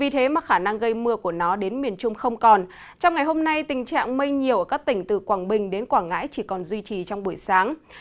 trong ngày hôm nay tình trạng mây nhiều ở các tỉnh từ quảng bình đến quảng ngãi chỉ còn duy trì trong buổi sáng